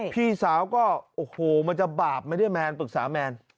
พี่สาวก็โอ้โหมันจะบาปไหมเนี่ยแมนปรึกษาแมน